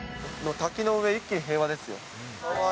滝の上、一気に平和ですよ。